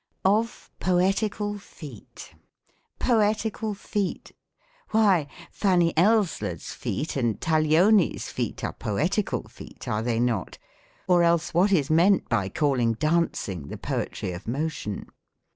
OF POETICAL FEET. Poetical feet! Why, Fanny Elsler's feet and Tag lioni's feet are poetical feet — are they not? or else what is meant by calling dancing the poetry of Motion